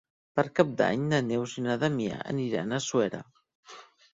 Per Cap d'Any na Neus i na Damià aniran a Suera.